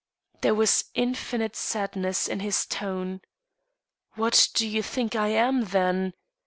There was infinite sadness in his tone. "What do you think I am, then?